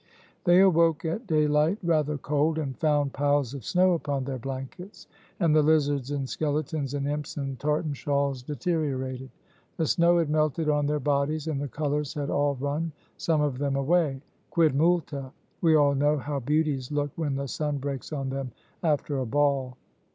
They awoke at daylight rather cold, and found piles of snow upon their blankets, and the lizards and skeletons and imps and tartan shawls deteriorated. The snow had melted on their bodies, and the colors had all run some of them away. Quid multa? we all know how beauties look when the sun breaks on them after a ball.